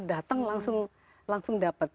datang langsung dapat